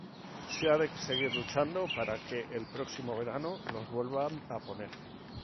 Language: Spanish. Se ha de seguir luchando para que el próximo verano los vuelvan a poner.